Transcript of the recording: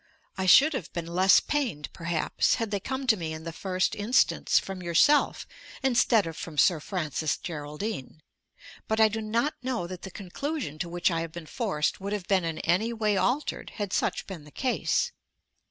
I should have been less pained, perhaps, had they come to me in the first instance from yourself instead of from Sir Francis Geraldine. But I do not know that the conclusion to which I have been forced would have been in any way altered had such been the case.